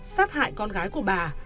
sát hại con gái của bà